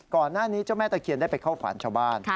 ก่อนหน้านี้เจ้าแม่ตะเคียนได้ไปเข้าฝันชาวบ้าน